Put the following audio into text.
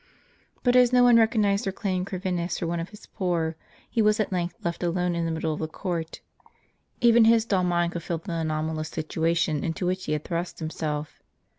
But as no one recog nized or claimed Corvinus for one of his poor, he was at length left alone in the middle of the court. Even his dull mind could feel the anomalous situation into which he had thrust himself.